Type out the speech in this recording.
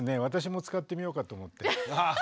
私も使ってみようかと思って。